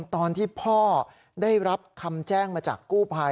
ตอนที่พ่อได้รับคำแจ้งมาจากกู้ภัย